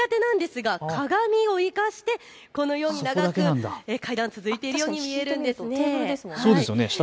２階建てなんですが鏡を生かしてこのように長く階段が続いているように見えるんです。